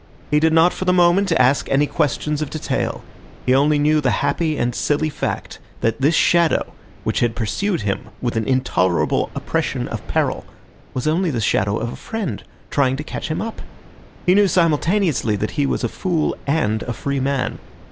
He did not for the moment ask any questions of detail; he only knew the happy and silly fact that this shadow, which had pursued him with an intolerable oppression of peril, was only the shadow of a friend trying to catch him up. He knew simultaneously that he was a fool and a free man.